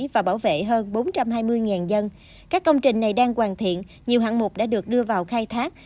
và bảo vệ hơn bốn trăm hai mươi dân các công trình này đang hoàn thiện nhiều hạng mục đã được đưa vào khai thác